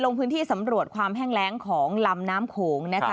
ลงพื้นที่สำรวจความแห้งแรงของลำน้ำโขงนะคะ